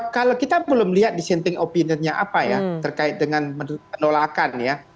kalau kita belum lihat dissenting opinionnya apa ya terkait dengan penolakan ya